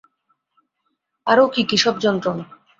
আরো কী কী সব যন্ত্রণা।